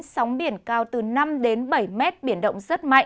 sóng biển cao từ năm đến ba năm mét biển động